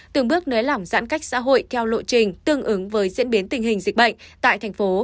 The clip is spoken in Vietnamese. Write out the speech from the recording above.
từng bước nới lỏng giãn cách xã hội theo lộ trình tương ứng với diễn biến tình hình dịch bệnh tại thành phố